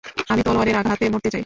আমি তলোয়ারের আঘাতে মরতে চাই।